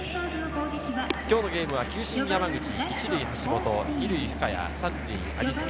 今日のゲームは球審・山口、１塁・橋本、２塁・深谷、３塁・有隅。